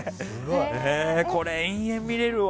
これ、延々見れるわ。